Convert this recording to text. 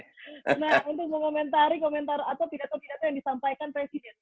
nah untuk mengomentari komentar atau pidato pidato yang disampaikan presiden